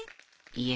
いえ。